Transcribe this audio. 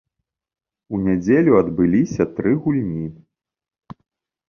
У нядзелю адбыліся тры гульні.